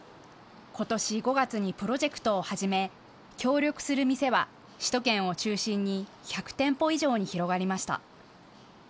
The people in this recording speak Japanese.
ことし５月にプロジェクトを始め、協力する店は首都圏を中心に１００店舗以上に広がりました。